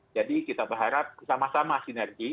jadi kita berharap sama sama sinergi